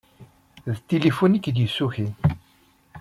D tilifun i k-d-yessukin?